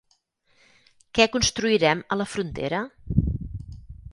Què construirem a la frontera?